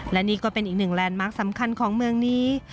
และนี่ก็เป็นอีกหนึ่งแลนดมาร์คสำคัญของเมืองนี้